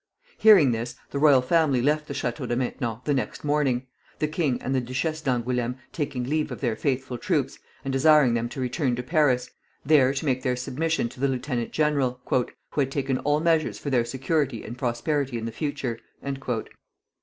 Hearing this, the royal family left the Château de Maintenon the next morning, the king and the Duchesse d'Angoulême taking leave of their faithful troops, and desiring them to return to Paris, there to make their submission to the lieutenant general, "who had taken all measures for their security and prosperity in the future."